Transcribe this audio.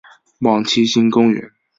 往七星公园